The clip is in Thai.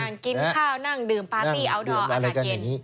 นั่งกินข้าวนั่งดื่มปาร์ตี้อัลดอร์อากาศเย็น